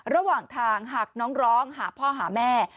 ระหว่างทางหากน้องร้องหาพ่อหาแม่